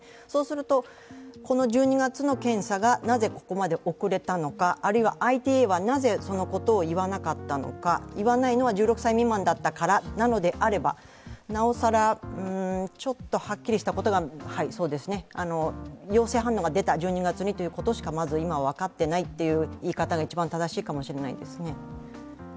そうすると、この１２月の検査がなぜここまで遅れたのか、あるいはＩＴＡはなぜそのことを言わなかったのか、言わないのは１６歳未満だったからなのであれば、なおさらちょっとはっきりしたことが、１２月に陽性反応が出たということしかまず今は分かっていないという言い方が一番正しいかもしれないですね。